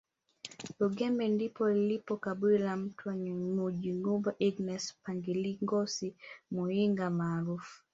Rugemba ndipo lilipo kaburi la mtwa Munyigumba Ignas Pangiligosi Muyinga maarufu